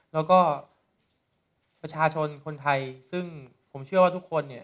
แล้วก็ประชาชนคนไทยซึ่งผมเชื่อว่าทุกคนเนี่ย